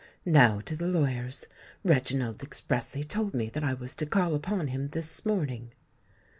"Now to the lawyer's: Reginald expressly told me that I was to call upon him this morning."